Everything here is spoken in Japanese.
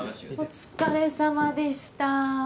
お疲れさまでした。